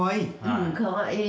うんかわいい。